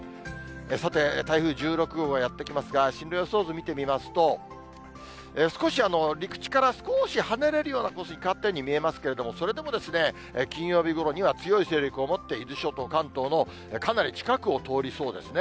さて、台風１６号がやって来ますが、進路予想図、見てみますと、少し陸地から少し離れるようなコースに変わったように見えますけれども、それでも金曜日ごろには強い勢力を持って、伊豆諸島、関東のかなり近くを通りそうですね。